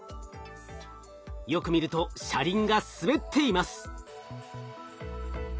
よく見ると車輪が滑っています。